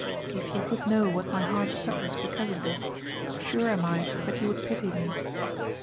If you could know what my heart suffers because of this, sure am I that you would pity me.